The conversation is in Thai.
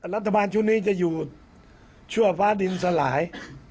รัฐบาลชุดนี้จะอยู่ชั่วฟ้าดินสลาย